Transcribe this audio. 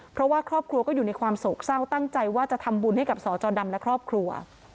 เพราะว่าครอบครัวก็อยู่ในความโศกเศร้าตั้งใจว่าจะทำบุญให้กับสจดำและครอบครัว